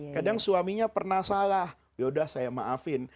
kadang suaminya pernah salah ya udah saya maafin